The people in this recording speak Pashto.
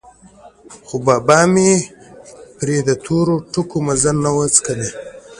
خو بابا مې پرې د تورو ټکو مزه نه وڅکلې.